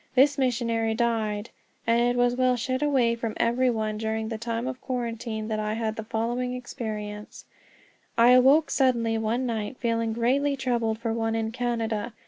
This missionary died; and it was while shut away from every one during the time of quarantine that I had the following experience: I awoke suddenly one night feeling greatly troubled for one in Canada.